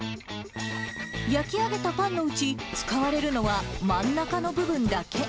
焼き上げたパンのうち、使われるのは真ん中の部分だけ。